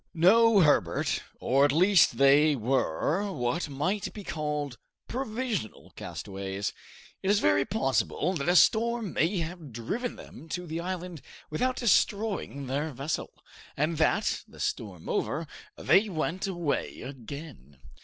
"No, Herbert; or, at least, they were what might be called provisional castaways. It is very possible that a storm may have driven them to the island without destroying their vessel, and that, the storm over, they went away again."